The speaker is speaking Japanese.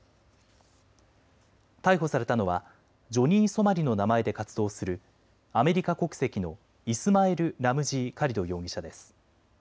逮捕されたのはジョニー・ソマリの名前で活動するアメリカ国籍のイスマエル・ラムジー・カリド容疑者です。